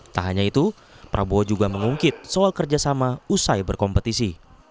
tak hanya itu prabowo juga mengungkit soal kerjasama usai berkompetisi